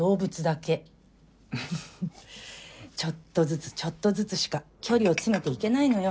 ちょっとずつちょっとずつしか距離を詰めていけないのよ。